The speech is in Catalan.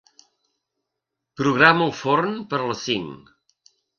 Programa el forn per a les cinc.